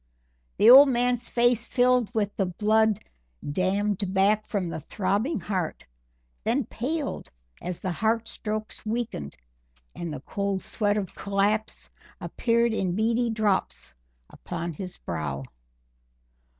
The old man's face filled with the blood dammed back from the throbbing heart, then paled as the heart strokes weakened, and the cold sweat of collapse appeared in beady drops upon his brow.